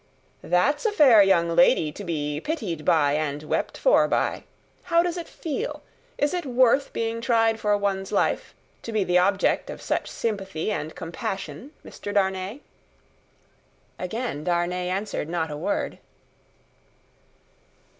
"That's a fair young lady to be pitied by and wept for by! How does it feel? Is it worth being tried for one's life, to be the object of such sympathy and compassion, Mr. Darnay?" Again Darnay answered not a word.